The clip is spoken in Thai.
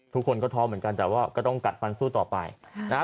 ทุกคนก็ท้อเหมือนกันแต่ว่าก็ต้องกัดฟันสู้ต่อไปนะฮะ